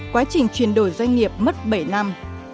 quá trình chuyển đổi doanh nghiệp mất bảy năm